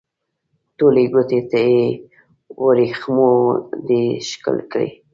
ټولې ګوتې یې وریښمو دي ښکل کړي